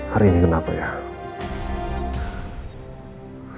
aku itu menembak cerita semua hari